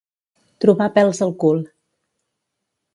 Trobar pèls al cul.